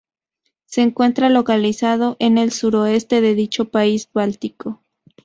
Se encuentra localizado en el suroeste de dicho país báltico.